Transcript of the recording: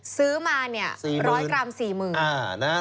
ซื้อมาเนี่ย๑๐๐กรัม๔๐๐๐บาท